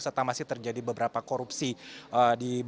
serta masih terjadi beberapa korupsi di beberapa perusahaan